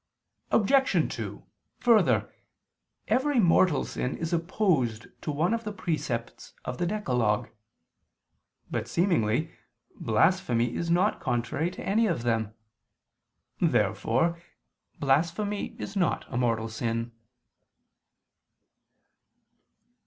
Obj. 2: Further, every mortal sin is opposed to one of the precepts of the decalogue. But, seemingly, blasphemy is not contrary to any of them. Therefore blasphemy is not a mortal sin.